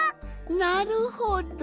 なるほど。